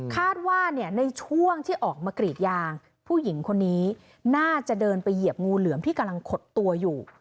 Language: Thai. คาดว่าในช่วงที่ออกมากรีดยางผู้หญิงคนนี้น่าจะเดินไปเหยียบงูเหลือมที่กำลังขดตัวอยู่